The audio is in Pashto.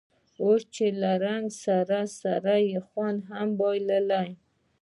اوس یې له رنګ سره سره خوند هم بایللی و.